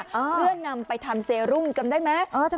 เพื่อนำไปทำเซรุมจำได้ไหม